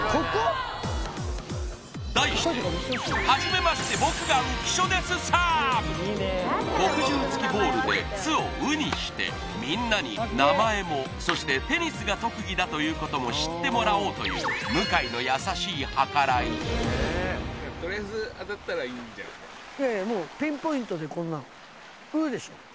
題して墨汁付きボールで「つ」を「う」にしてみんなに名前もそしてテニスが特技だということも知ってもらおうという向井のいやいやもう「う」でしょ？